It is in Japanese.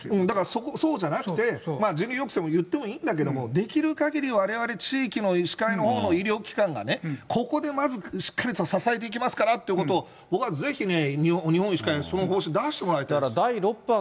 だからそうじゃなくて、人流抑制も言ってもいいんだけれども、できるかぎりわれわれ、地域の医師会のほうの医療機関がね、ここでまずしっかりと支えていきますからってことを、僕はぜひね、日本医師会、その方針を出してもらいたい。